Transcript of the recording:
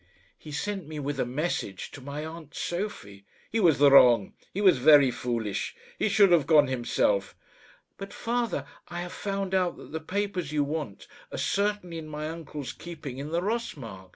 "He sent me with a message to my aunt Sophie." "He was wrong; he was very foolish; he should have gone himself." "But, father, I have found out that the papers you want are certainly in my uncle's keeping in the Ross Markt."